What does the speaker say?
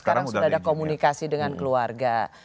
sekarang sudah ada komunikasi dengan keluarga